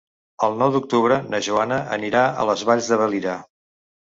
El nou d'octubre na Joana anirà a les Valls de Valira.